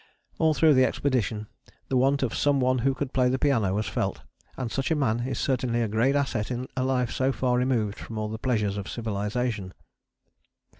All through the expedition the want of some one who could play the piano was felt, and such a man is certainly a great asset in a life so far removed from all the pleasures of civilization.